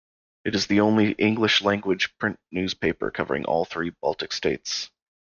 It is the only English language print newspaper covering all three Baltic states.